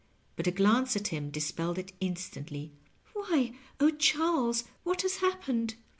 But a glance at him dispelled it instantly. " Why— oh, Charles, what has happened